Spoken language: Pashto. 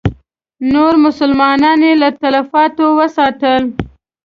نور مسلمانان یې له تلفاتو وساتل.